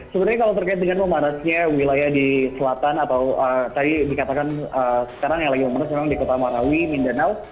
sebenarnya kalau terkait dengan pemanasnya wilayah di selatan atau tadi dikatakan sekarang yang lagi pemanas di kota marawi mindanao